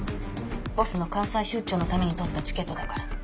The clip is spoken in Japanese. ボスの関西出張のために取ったチケットだから。